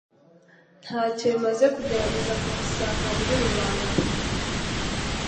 Ntacyo bimaze kugerageza kumusanga muri rubanda.